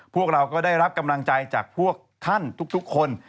พวกเราก็ได้รับกำลังใจจากพวกท่านทุกคน